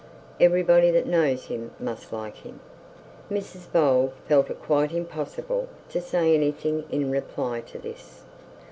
Everybody that knows him must like him.' Mrs Bold felt it quite impossible to say anything in reply to this.